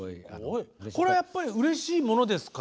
これはやっぱりうれしいものですか？